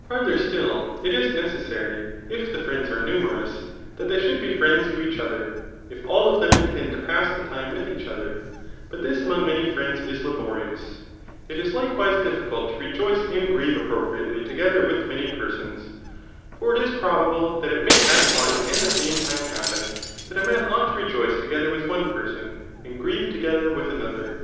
further still, it is necessary [if the friends are nmneroiisj Aat they should be friends to each other, if all of them intend to pass the time with each other ;* but tins among many friends is laborious* It is likewise dtflkult to re j<Hce and grieve appropriately together with many per sons ; for it is probable that it may at one and the sane lune haj^ien, diat a man ought to rejcuce together with one person, and grieve together with another.